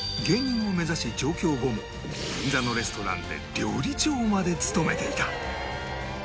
芸人を目指し上京後も銀座のレストランで料理長まで務めていた